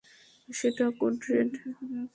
সেটা code red.